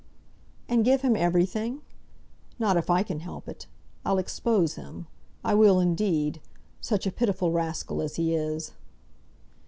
"And give him everything! Not if I can help it. I'll expose him. I will indeed. Such a pitiful rascal as he is!"